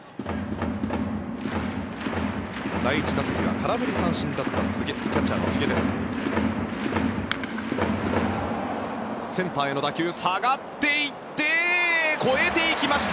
第１打席は空振り三振だったキャッチャーの柘植です。